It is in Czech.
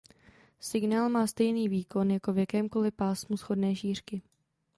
Signál má stejný výkon v jakémkoli pásmu shodné šířky.